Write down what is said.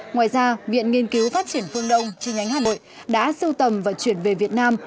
ngoài ra viện nghiên cứu phát triển phương đông trên nhánh hà nội đã sưu tầm và chuyển về việt nam